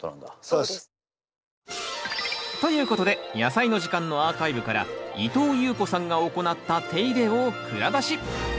そうです。ということで「やさいの時間」のアーカイブから伊藤裕子さんが行った手入れを蔵出し。